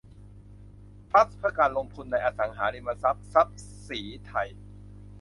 ทรัสต์เพื่อการลงทุนในอสังหาริมทรัพย์ทรัพย์ศรีไทย